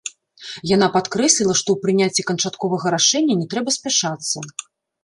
Яна падкрэсліла, што ў прыняцці канчатковага рашэння не трэба спяшацца.